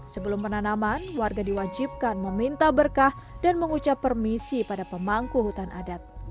sebelum penanaman warga diwajibkan meminta berkah dan mengucap permisi pada pemangku hutan adat